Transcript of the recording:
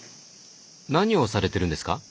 何をされてるんですか？